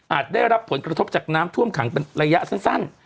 ได้รับผลกระทบจากน้ำท่วมขังเป็นระยะสั้น